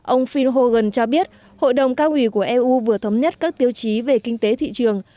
ông fil hogan cho biết hội đồng cao ủy của eu vừa thống nhất các tiêu chí về kinh tế thị trường